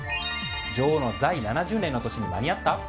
女王の在位７０年の年に間に合った？